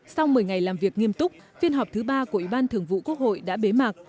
sau một mươi ngày làm việc nghiêm túc phiên họp thứ ba của ủy ban thường vụ quốc hội đã bế mạc